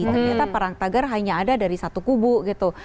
ternyata perang tagar hanya ada dari satu kubu gitu